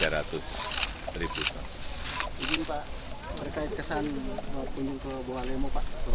terus ini pak berkait kesan kunjung ke bawa lemo pak ke bulan lalu